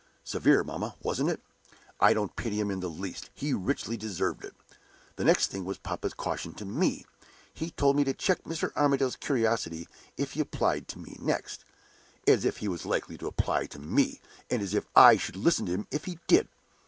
Severe, mamma, wasn't it? I don't pity him in the least; he richly deserved it. The next thing was papa's caution to me. He told me to check Mr. Armadale's curiosity if he applied to me next. As if he was likely to apply to me! And as if I should listen to him if he did!